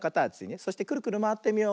そしてクルクルまわってみよう。